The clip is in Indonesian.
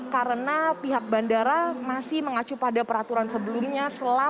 karena pihak bandara masih mengacu pada peraturan sebelumnya